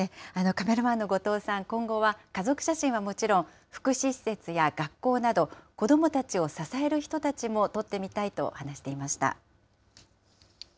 カメラマンの後藤さん、今後は、家族写真はもちろん、福祉施設や学校など、子どもたちを支える人たちも撮ってみたいと話していました。